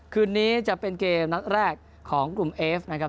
คืนนี้จะเป็นเกมนัดแรกของกลุ่มเอฟนะครับ